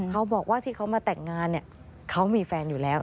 เขาบอกว่าที่เขามาแต่งงานเนี่ยเขามีแฟนอยู่แล้ว